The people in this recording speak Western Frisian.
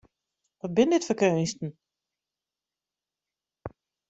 Wat binne dit foar keunsten!